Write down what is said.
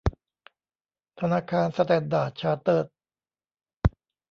ธนาคารสแตนดาร์ดชาร์เตอร์ด